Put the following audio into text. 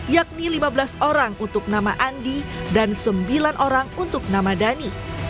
yakni lima belas orang untuk nama andi dan sembilan orang untuk nama dhani